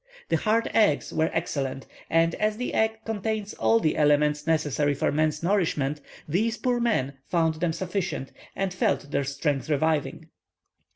The hard eggs were excellent, and as the egg contains all the elements necessary for man's nourishment, these poor men found them sufficient, and felt their strength reviving.